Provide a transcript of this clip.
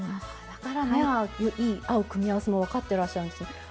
だから合う組み合わせも分かってらっしゃるんですね。